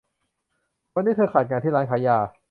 วันนี้เธอขาดงานที่ร้านขายยา